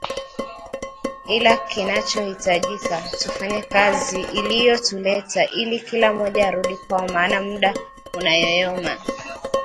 ila kinachohitajika tufanye kazi iliyotuleta ili kila mmoja arudi kwao maana muda unayoyoma